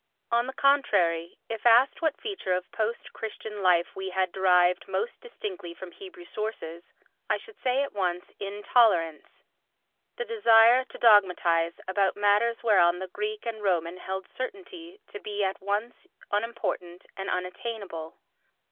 On the contrary, if asked what feature of post Christian life we had derived most distinctly from Hebrew sources I should say at once "intolerance"—the desire to dogmatise about matters whereon the Greek and Roman held certainty to be at once unimportant and unattainable.